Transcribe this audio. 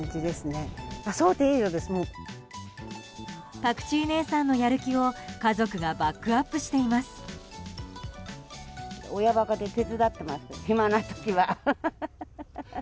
パクチー姉さんのやる気を家族がバックアップしています。